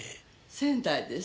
仙台です。